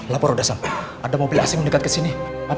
lapor udah sampe ada mobil asing mendekat kesini